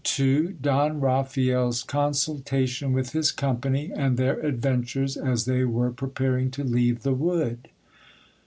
— Don RaphaeVs consultation with his company, and their adventures as they were preparing to leave the wood.